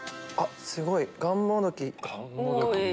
すごい！がんもどき。